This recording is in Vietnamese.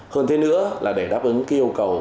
hơn thế nữa là để đáp ứng yêu cầu